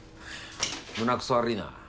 胸くそ悪ぃな。